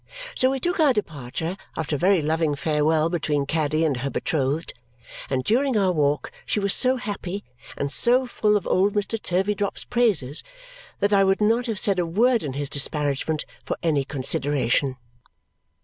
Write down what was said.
So we took our departure after a very loving farewell between Caddy and her betrothed, and during our walk she was so happy and so full of old Mr. Turveydrop's praises that I would not have said a word in his disparagement for any consideration.